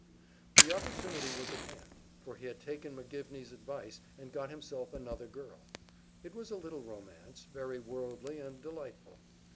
The opportunity was at hand: for he had taken McGivney's advise and got himself another girl. It was a little romance, very worldly and delightful.